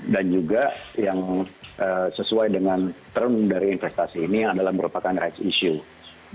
dan juga yang sesuai dengan term dari investasi ini adalah merupakan rights issue